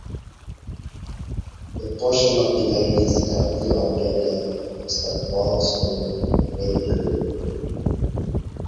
A portion of the line is currently operated as the Falls Road Railroad.